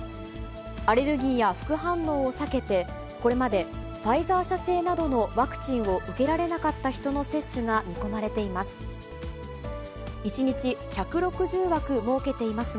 アレルギーや副反応を避けて、これまでファイザー社製などのワクチンを受けられなかった人の接種が見込まれています。